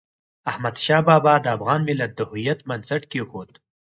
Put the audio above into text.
احمد شاه بابا د افغان ملت د هویت بنسټ کېښود.